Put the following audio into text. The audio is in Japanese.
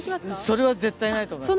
それは絶対ないと思います。